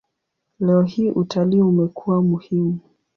Leo hii utalii umekuwa muhimu.